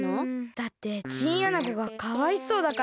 だってチンアナゴがかわいそうだから。